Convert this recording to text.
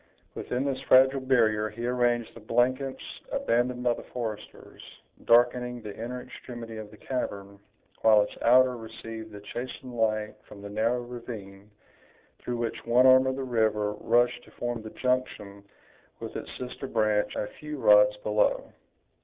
Within this fragile barrier he arranged the blankets abandoned by the foresters, darkening the inner extremity of the cavern, while its outer received a chastened light from the narrow ravine, through which one arm of the river rushed to form the junction with its sister branch a few rods below.